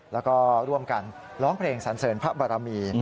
แล้วก็ร่วมกันร้องเพลงสันเสริญพระบารมี